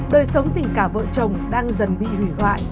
đời sống tình cả vợ chồng đang dần bị hủy hoại